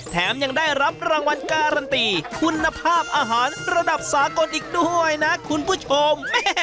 แถมยังได้รับรางวัลการันตีคุณภาพอาหารระดับสากลอีกด้วยนะคุณผู้ชม